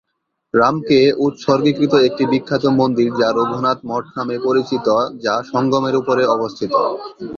রামকে উৎসর্গীকৃত একটি বিখ্যাত মন্দির যা রঘুনাথ মঠ নামে পরিচিত যা সঙ্গমের উপরে অবস্থিত।